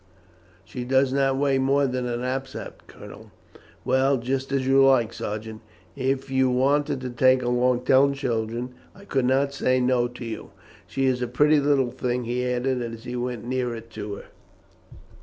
She does not weigh more than a knapsack, Colonel." "Well; just as you like, Sergeant. If you wanted to take along ten children I could not say no to you. She is a pretty little thing," he added, as he went nearer to her.